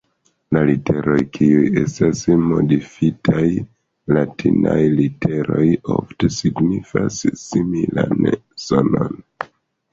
La literoj kiuj estas modifitaj latinaj literoj ofte signifas similan sonon.